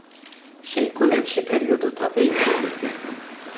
Se jkun hemm xi perjodu ta' vacuum?